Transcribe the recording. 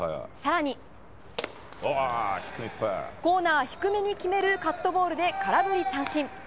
更にコーナー低めに決めるカットボールで空振り三振。